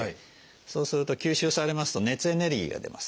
そうすると吸収されますと熱エネルギーが出ます。